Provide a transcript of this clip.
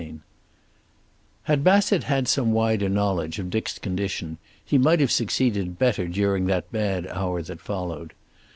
XXIX Had Bassett had some wider knowledge of Dick's condition he might have succeeded better during that bad hour that followed.